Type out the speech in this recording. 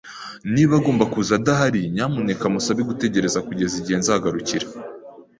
Niba agomba kuza adahari, nyamuneka musabe gutegereza kugeza igihe nzagarukira.